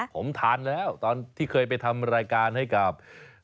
ผมทานแล้วตอนที่เคยไปทำรายการให้กับ